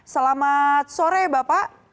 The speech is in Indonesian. selamat sore bapak